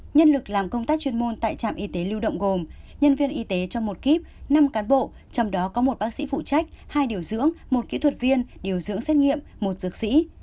nhân lực làm công tác chuyên môn tại trạm y tế lưu động gồm nhân viên y tế trong một kíp năm cán bộ trong đó có một bác sĩ phụ trách hai điều dưỡng một kỹ thuật viên điều dưỡng xét nghiệm một dược sĩ